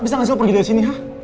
bisa gak sih lo pergi dari sini hah